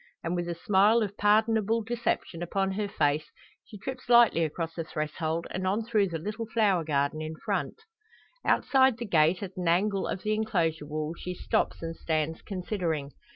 And with a smile of pardonable deception upon her face, she trips lightly across the threshold, and on through the little flower garden in front. Outside the gate, at an angle of the enclosure wall, she stops, and stands considering.